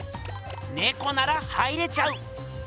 ねこなら入れちゃう！